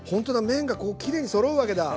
麺がきれいにそろうわけだ。